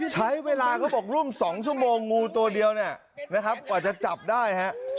ใช้เวลาก็บอกร่วม๒ชั่วโมงงูตัวเดียวเนี่ยนะครับกว่าจะจับได้ฮะ